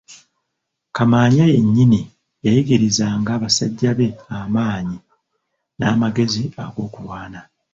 Kamaanya yennyini yayigirizanga basajja be amaanyi n'amagezi ag'okulwana.